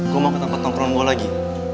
gue mau ke tempat nongkrong gue lagi